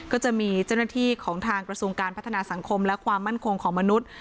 ก็จะมีเจ้าหน้าที่ของทางกระทรวงการพัฒนาสังคมและความมั่นคงของมนุษย์